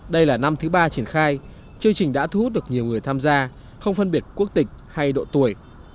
đây là năm thứ ba triển khai chương trình đã thu hút được nhiều người tham gia không phân biệt quốc tịch hay độ tuổi